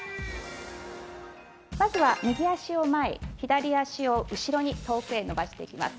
まずは右足を前、左足を後ろに遠くへ伸ばしていきます。